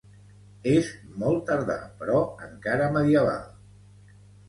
És molt tardà, però encara medieval.